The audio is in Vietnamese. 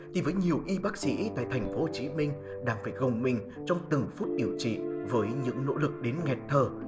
thì với nhiều y bác sĩ tại thành phố hồ chí minh đang phải gồng mình trong từng phút điều trị với những nỗ lực đến nghẹt thở